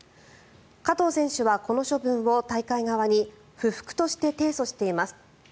加藤選手はこの処分を大会側に不服として提訴しています。